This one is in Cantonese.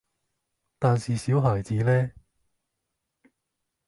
但是小孩子呢？